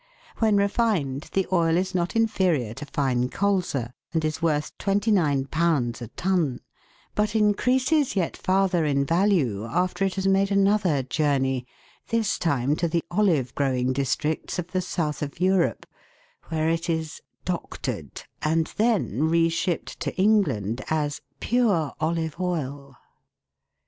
When refined, the oil is not inferior to fine colza, and is worth 29 a ton, but increases yet farther in value after it has made another journey, this time to the olive growing districts of the South of Europe, where it is " doctored," and then re shipped to England as " pure olive oil."